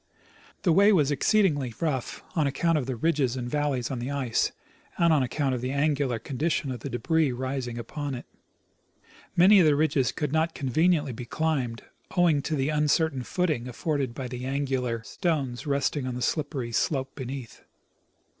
The way was exceedingly rough, on account of the ridges and valleys on the ice, and on account of the angular condition of the debris resting upon it. Many of the ridges could not conveniently be climbed, owing to the uncertain footing afforded by the angular 106 I. C. Russell — Expedition to Mount St. Elias. stones resting on the slipi^ery slo^^e beneath.